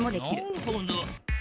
なるほど。